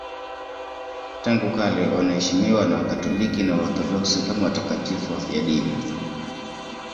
Tangu kale wanaheshimiwa na Wakatoliki na Waorthodoksi kama watakatifu wafiadini.